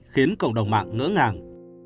khiến cộng đồng mạng ngỡ ngàng